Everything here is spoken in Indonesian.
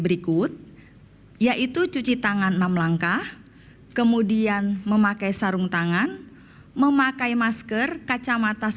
berikut yaitu cuci tangan enam langkah kemudian memakai sarung tangan memakai masker kacamata